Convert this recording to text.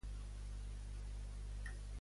Quin fet va mencionar Bayo a Rajoy?